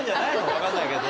分かんないけど。